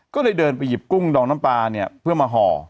ก็เลยเดินไปหยิบกุ้งดองน้ำปลาเนี่ยเพื่อมาห่อ